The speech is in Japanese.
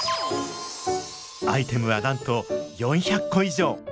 アイテムはなんと４００個以上！